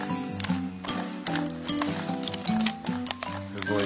すごい！